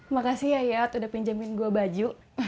makasih ya ayat udah pinjemin gue baju